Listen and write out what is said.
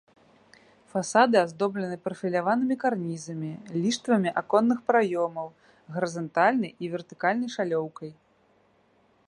Фасады аздоблены прафіляванымі карнізамі, ліштвамі аконных праёмаў, гарызантальнай і вертыкальнай шалёўкай.